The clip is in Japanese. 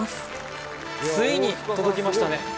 ついに届きましたね